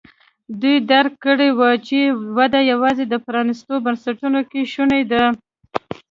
دوی درک کړې وه چې وده یوازې د پرانیستو بنسټونو کې شونې ده.